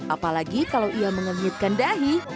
apalagi kalau ia mengenyutkan dahi